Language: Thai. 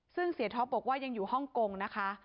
ซึ่งเสียท็อปบอกว่ายังอยู่ฮ่องกงนะคะ